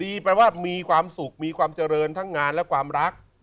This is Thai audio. มีแปลว่ามีความสุขมีความเจริญทั้งงานและความรัก